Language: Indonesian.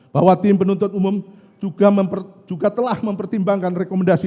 bahwa tim penuntut umum juga telah mempertimbangkan rekomendasi